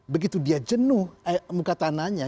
begitu dia jenuh muka tanahnya